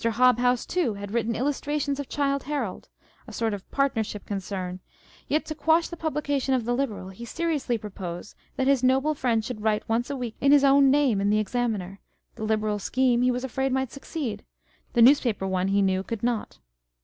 Hobhouse too had written Illustrations of Cliilde Harold (a sort of partnership concern) â€" yet to quash the pub lication of the Liberal, he seriously proposed that his Noble Friend should write once a week in his own name in the Examiner â€" the Liberal scheme, he was afraid, might succeed : the Newspaper one, he knew, could not.